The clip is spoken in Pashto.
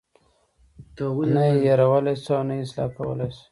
نه یې هیرولای شو او نه یې اصلاح کولی شو.